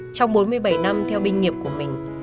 trong bốn mươi bảy năm theo binh nghiệp của mình